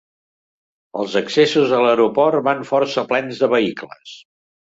Els accessos a l'aeroport van força plens de vehicles.